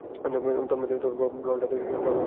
তন্মধ্যে প্রহ্লাদ সর্বকনিষ্ঠ সন্তান ছিলেন।